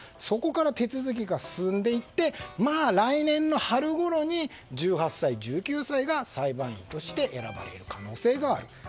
そこから手続きが進んでいって来年の春ごろに１８歳、１９歳が裁判員として選ばれる可能性がある。